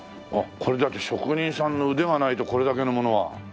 あっこれだって職人さんの腕がないとこれだけのものは。